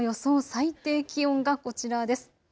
最低気温がこちらです。